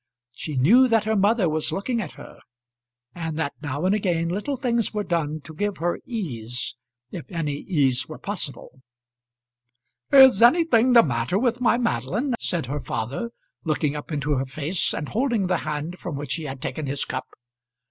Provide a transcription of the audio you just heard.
She knew that her mother was looking at her, and that now and again little things were done to give her ease if any ease were possible. "Is anything the matter with my Madeline?" said her father, looking up into her face, and holding the hand from which he had taken his cup.